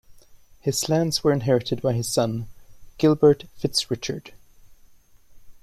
His lands were inherited by his son, Gilbert fitz Richard.